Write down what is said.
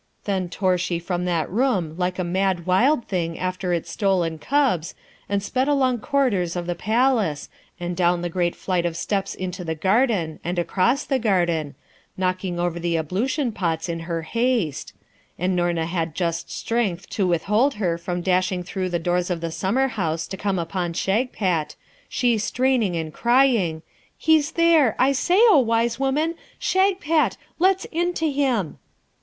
Then tore she from that room like a mad wild thing after its stolen cubs, and sped along corridors of the palace, and down the great flight of steps into the garden and across the garden, knocking over the ablution pots in her haste; and Noorna had just strength to withhold her from dashing through the doors of the summer house to come upon Shagpat, she straining and crying, 'He's there, I say, O wise woman! Shagpat! let's into him.'